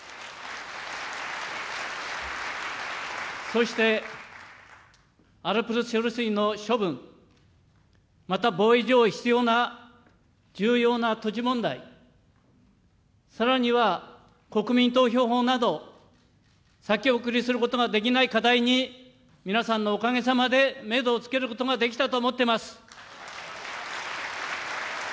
そして、アルプス処理水の処分、また防衛上必要な重要な土地問題、さらには国民投票法など、先送りすることができない課題に、皆様のおかげさまで、メドをつけることができたと思っています。